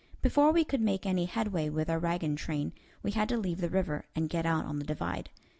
Before we could make any headway with our wagon train we had to leave the river and get out on the divide.